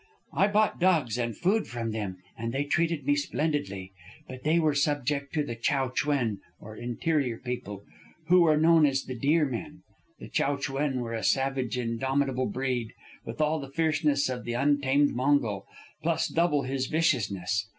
I bought dogs and food from them, and they treated me splendidly. But they were subject to the Chow Chuen, or interior people, who were known as the Deer Men. The Chow Chuen were a savage, indomitable breed, with all the fierceness of the untamed Mongol, plus double his viciousness.